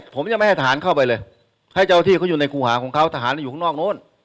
ผมยังไม่ให้ทหารเข้าไปเลยให้เจ้าที่เขาอยู่ในครูหาของเขาทหารอยู่ข้างนอกนู้น